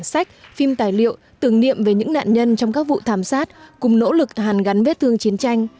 sách phim tài liệu tưởng niệm về những nạn nhân trong các vụ thảm sát cùng nỗ lực hàn gắn vết thương chiến tranh